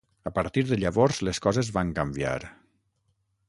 A partir de llavors les coses van canviar.